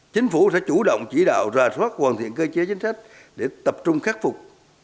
chính phủ sẽ chủ động chỉ đạo ra soát hoàn thiện cơ chế chính sách để tập trung khắc phục